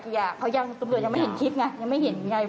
ตำรวจยังไม่เห็นคลิปยังไม่เห็นอย่างไร